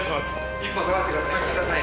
一歩下がってください。